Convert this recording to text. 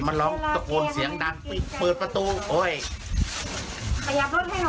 มันร้องตะโกนเสียงดังปิ้งเปิดประตูโอ้ยขยับรถให้หน่อย